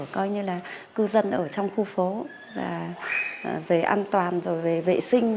coi như là cư dân ở trong khu phố về an toàn về vệ sinh